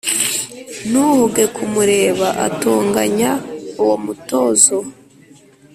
Ntuhuge kumureba Atonganya uwo mutozo